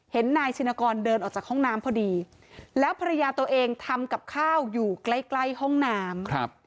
นายชินกรเดินออกจากห้องน้ำพอดีแล้วภรรยาตัวเองทำกับข้าวอยู่ใกล้ใกล้ห้องน้ำ